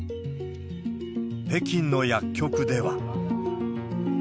北京の薬局では。